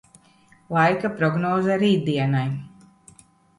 Laika prognoze rītdienai.